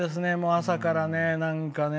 朝からなんかね。